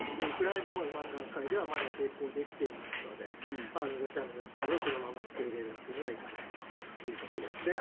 ウクライナも今の段階では抵抗できていますので、ロシアの要求をそのまま受け入れるわけにはいかないということです。